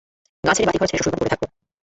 গাঁ ছেড়ে বাড়িঘর ছেড়ে শ্বশুরবাড়ি পড়ে থাকব!